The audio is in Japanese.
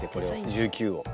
１９を。